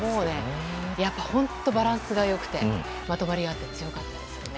やっぱ本当バランスが良くてまとまりがあって強かったですよね。